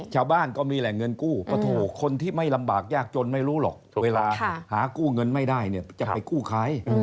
ชาวบ้านก็มีแหล่งเงินกู้คนที่ไม่ลำบากยากจนไม่รู้หรอกเวลาหากู้เงินไม่ได้เนี่ยจะไปกู้ใคร